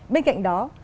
bên cạnh đó